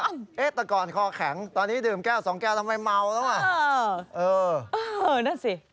ไม่ใช่อะไร